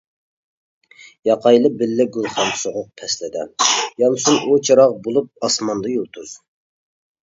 ياقايلى بىللە گۈلخان سوغۇق پەسلىدە، يانسۇن ئۇ چىراغ بولۇپ ئاسماندا يۇلتۇز!